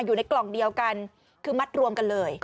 อยู่ในกล่องเดียวกันคือมัดรวมกันเลย